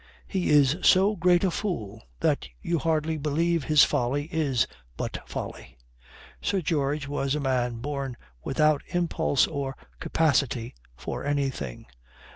He is so great a fool that you hardly believe his folly is but folly." Sir George was a man born without impulse or capacity for anything.